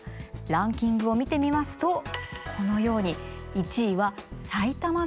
ランキングを見てみますとこのように１位は埼玉県となりました。